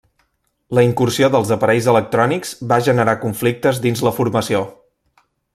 La incursió dels aparells electrònics va generar conflictes dins la formació.